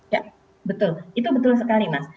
ya betul itu betul sekali mas